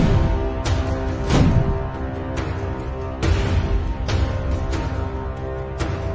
สวัสดีครับวันนี้ก็จะเป็นสวัสดีครับ